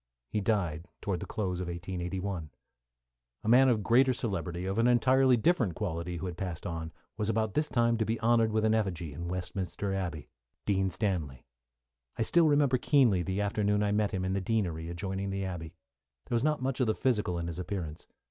He died towards the close of 1881. A man of greater celebrity, of an entirely different quality, who had passed on, was about this time to be honoured with an effigy in Westminster Abbey Dean Stanley. I still remember keenly the afternoon I met him in the Deanery adjoining the abbey. There was not much of the physical in his appearance.